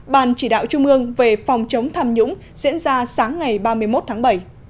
ban chỉ đạo trung ương về phòng chống tham nhũng diễn ra sáng ngày ba mươi một tháng bảy